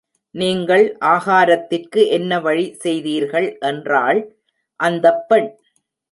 நீங்கள் ஆகாரத்திற்கு என்ன வழி செய்தீர்கள் என்றாள் அந்தப் பெண்.